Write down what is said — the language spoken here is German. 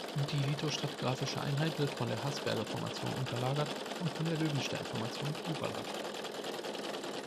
Die lithostratigraphische Einheit wird von der Hassberge-Formation unterlagert und von der Löwenstein-Formation überlagert.